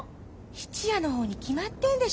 質屋の方に決まってんでしょ。